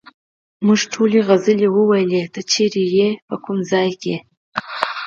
موږ ټولو سندرې وویلې، ته چیرې وې، په کوم ځای کې؟